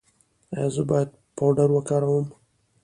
ایا زه باید پاوډر وکاروم؟